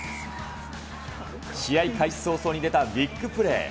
試合開始早々に出たビッグプレー。